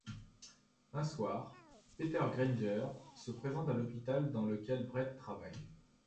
Un soir, Peter Grainger se présente à l'hôpital dans lequel Brett travaille.